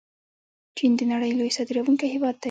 چین د نړۍ لوی صادروونکی هیواد دی.